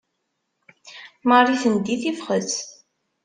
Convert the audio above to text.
Marie tendi tifxet.